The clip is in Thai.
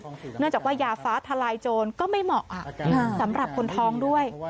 เนื่องจากว่ายาฟ้าทลายโจรก็ไม่เหมาะสำหรับคนท้องด้วย